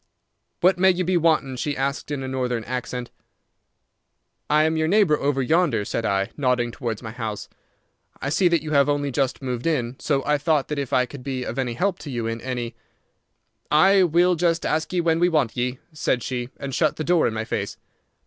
"'What may you be wantin'?' she asked, in a Northern accent. "'I am your neighbour over yonder,' said I, nodding towards my house. 'I see that you have only just moved in, so I thought that if I could be of any help to you in any—' "'Ay, we'll just ask ye when we want ye,' said she, and shut the door in my face.